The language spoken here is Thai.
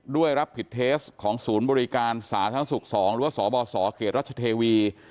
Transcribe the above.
รับผิดเทสของศูนย์บริการสาธารณสุข๒หรือว่าสบสเขตรัชเทวี